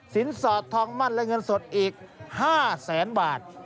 สอดทองมั่นและเงินสดอีก๕แสนบาท